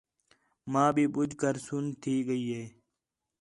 ماں بھی ٻُجھ کر سُن تھی ڳئی ہے